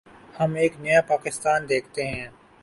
ہم ایک نیا پاکستان دیکھتے ہیں۔